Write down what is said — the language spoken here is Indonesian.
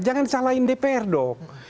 jangan salahin dpr dong